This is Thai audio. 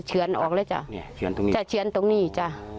จะเชื้อนตรงนี้จ้ะ